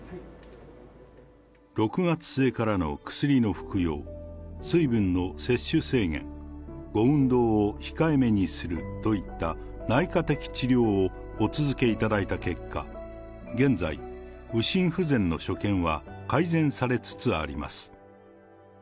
６月末からの薬の服用、水分の摂取制限、ご運動を控えめにするといった内科的治療をお続けいただいた結果、現在、右心不全の所見は改善されつつあります。